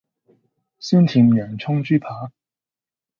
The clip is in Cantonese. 酸甜洋蔥豬排